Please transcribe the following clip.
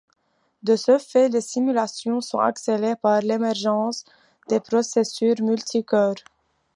De ce fait, les simulations sont accélérées par l'émergence des processeurs multi-cœurs.